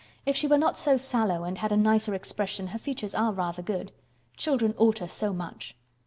"If she were not so sallow and had a nicer expression, her features are rather good. Children alter so much."